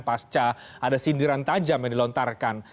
pasca ada sindiran tajam yang dilontarkan